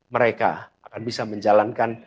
mereka akan bisa menjalankan